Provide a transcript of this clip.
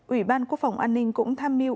ủy ban quốc phòng an ninh cũng tham mưu